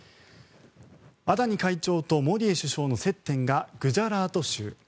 アダニ会長とモディ首相との接点がグジャラート州。